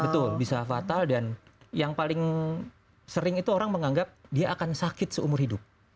betul bisa fatal dan yang paling sering itu orang menganggap dia akan sakit seumur hidup